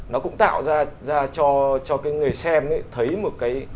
nó cũng tạo ra cho cái người xem thấy một cái